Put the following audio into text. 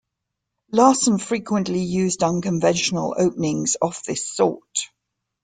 Larsen frequently used unconventional openings of this sort.